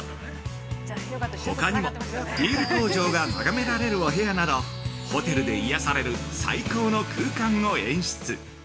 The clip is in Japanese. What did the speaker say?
◆ほかにも、ビール工場が眺められるお部屋などホテルで癒やされる最高の空間を演出。